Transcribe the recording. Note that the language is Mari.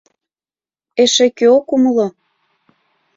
Эше кӧ ок умыло?